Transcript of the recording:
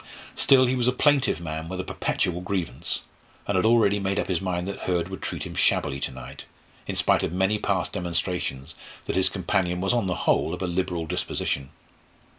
Still he was a plaintive man with a perpetual grievance, and had already made up his mind that Hurd would treat him shabbily to night, in spite of many past demonstrations that his companion was on the whole of a liberal disposition.